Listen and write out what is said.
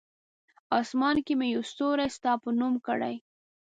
آسمان کې مې یو ستوری ستا په نوم کړی!